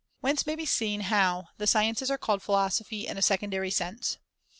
Whence may be seen how C^^oD the sciences are called philosophy in a secondary sense.